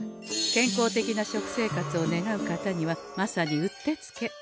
健康的な食生活を願う方にはまさにうってつけ。